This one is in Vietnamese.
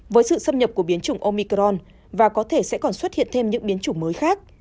với sự xâm nhập của biến chủng omicron và có thể sẽ còn xuất hiện thêm những biến chủng mới khác